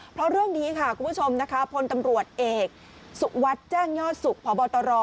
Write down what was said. เพราะเรื่องนี้ค่ะคุณผู้ชมนะคะพลตำรวจเอกสุวัสดิ์แจ้งยอดสุขพบตร